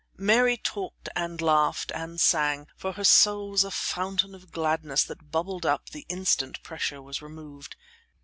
Mary talked, and laughed, and sang, for her soul was a fountain of gladness that bubbled up the instant pressure was removed.